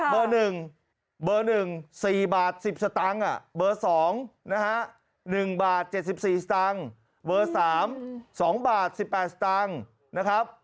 เบอร์๑๔บาท๑๐สตังค์เบอร์๒๑บาท๗๔สตังค์เบอร์๓๒บาท๑๘สตังค์